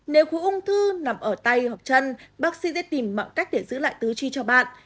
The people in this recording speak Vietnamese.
nếu khối ung thư nằm ở tay hoặc chân bác sĩ sẽ tìm mọi cách để giữ lại tứ chi cho bạn